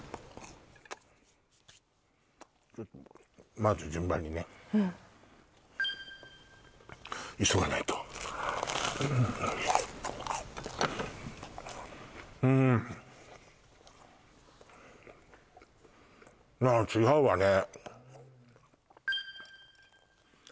まず順番にね急がないとうーんああ違うわね